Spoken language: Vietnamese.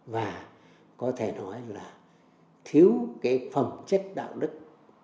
và có thể nói là thiếu cái phẩm chất đạo đức